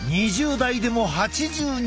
２０代でも８２％。